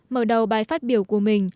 mở đầu bài phát biểu của mình